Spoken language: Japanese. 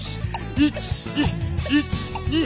１２１２。